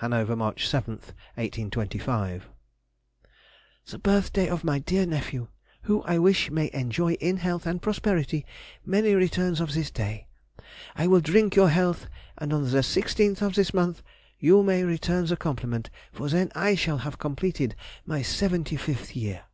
HANOVER, March 7, 1825. The birthday of my dear nephew! who I wish may enjoy in health and prosperity many returns of this day. I will drink your health, and on the 16th of this month you may return the compliment, for then I shall have completed my seventy fifth year.